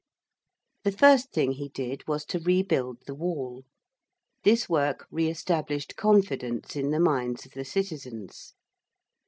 The first thing he did was to rebuild the wall. This work re established confidence in the minds of the citizens.